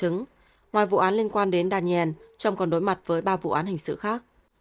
ngoài vụ án liên quan đến daniel trump còn đối mặt với ba vụ án hình sự khác